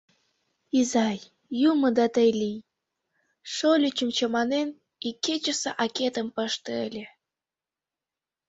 — Изай, юмо да тый лий, шольычым чаманен, икечысе акетым пыште ыле.